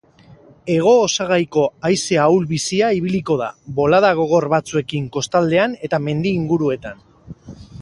Hego-osagaiko haize ahul-bizia ibiliko da, bolada gogor batzuekin kostaldean eta mendi inguruetan.